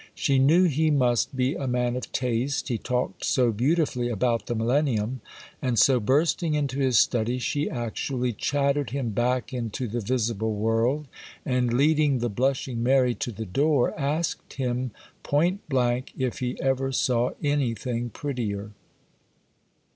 She knew he must be a man of taste, he talked so beautifully about the Millennium; and so, bursting into his study, she actually chattered him back into the visible world, and, leading the blushing Mary to the door, asked him, point blank, if he ever saw anything prettier.